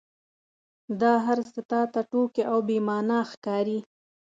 دا هرڅه تا ته ټوکې او بې معنا ښکاري.